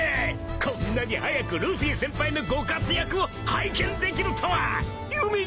こんなに早くルフィ先輩のご活躍を拝見できるとは夢にも思ってなかったべ！